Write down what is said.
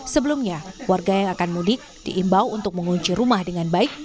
sebelumnya warga yang akan mudik diimbau untuk mengunci rumah dengan baik